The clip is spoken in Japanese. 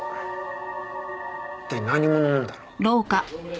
一体何者なんだろう？